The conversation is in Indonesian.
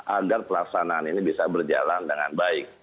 agar pelaksanaan ini bisa berjalan dengan baik